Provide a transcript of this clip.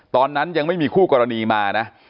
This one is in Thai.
ตอนนั้นยังไม่มีคู่กรณีมานะ